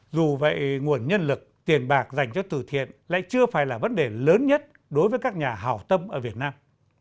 dù vậy nguồn nhân lực tiền bạc dành cho từ thiện lại chưa phải là vấn đề lớn nhất đối với các nhà hào tâm ở việt nam